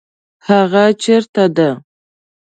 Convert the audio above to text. هغه چیرته ده؟